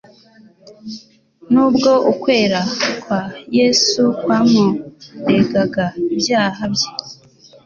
Nubwo ukwera kwa Yesu kwamuregaga ibyaha bye,